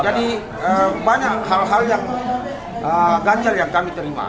jadi banyak hal hal yang ganjar yang kami terima